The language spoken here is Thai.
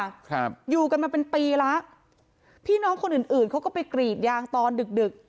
ครับอยู่กันมาเป็นปีแล้วพี่น้องคนอื่นอื่นเขาก็ไปกรีดยางตอนดึกดึก